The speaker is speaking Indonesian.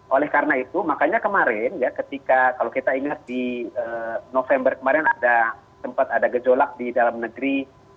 oleh karena itu makanya kemarin ya ketika kalau kita ingat di november kemarin ada sempat ada gejolak di dalam negeri